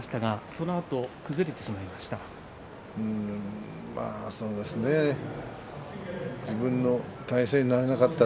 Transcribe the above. そのあと崩れてしまいました。